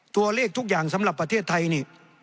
ทุกอย่างสำหรับประเทศไทยนี่